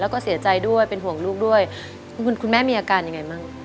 แล้วก็เสียใจด้วยด้วยคุณแม่มีอาการยังไงมั๊ย